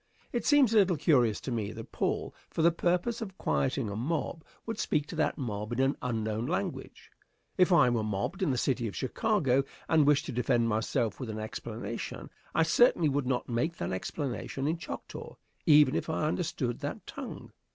It seems a little curious to me that Paul, for the purpose of quieting a mob, would speak to that mob in an unknown language. If I were mobbed in the city of Chicago, and wished to defend myself with an explanation, I certainly would not make that explanation in Choctaw, even if I understood that tongue.